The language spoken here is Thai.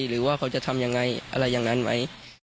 หรือว่าเขาจะทำยังไงอะไรอย่างนั้นไหม